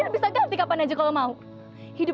apasih yang kurang link su